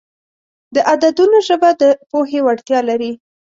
د عددونو ژبه د پوهې وړتیا لري.